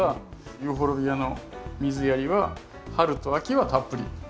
ユーフォルビアの水やりは春と秋はたっぷり。